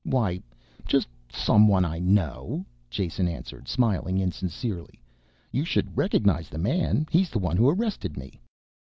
"Why just someone I know," Jason answered, smiling insincerely. "You should recognize the man, he's the one who arrested me."